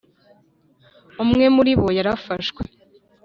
umwe muribo yarafashwe.